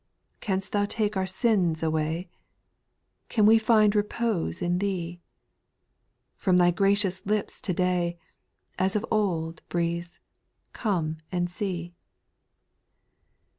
Can'st Thou take our sins away ? Can we find repose in Thee ? From Thy gracious lips to day, As of old, breathes, " Come and see."